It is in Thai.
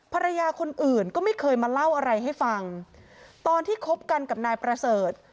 ภรรยาคนอื่นก็ไม่เคยมาเล่าอะไรให้ฟังตอนที่คบกันกับนายประเสริฐ